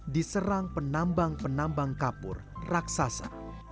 diserang penambang penambang kapur raksasa